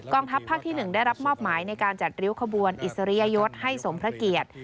ทัพภาคที่๑ได้รับมอบหมายในการจัดริ้วขบวนอิสริยยศให้สมพระเกียรติ